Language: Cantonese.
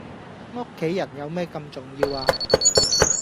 屋企人有咩咁重要呀?